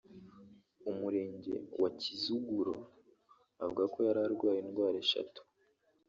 Umurenge wa Kizuguro avuga ko yari arwaye indwara eshatu